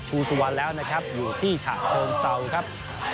ชูสวรรค์แล้วนะครับอยู่ที่ฉะเชิงเศร้านะครับ